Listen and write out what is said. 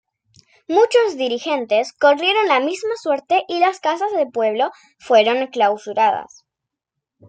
Muchos dirigentes corrieron la misma suerte y las Casas del Pueblo fueron clausuradas.